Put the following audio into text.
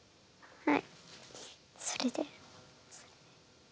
はい。